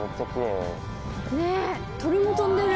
ねっ鳥も飛んでる。